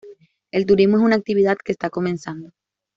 El turismo es una actividad que está comenzando.